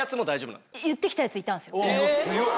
強っ！